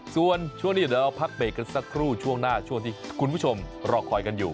ส่วนช่วงนี้เดี๋ยวเราพักเบรกกันสักครู่ช่วงหน้าช่วงที่คุณผู้ชมรอคอยกันอยู่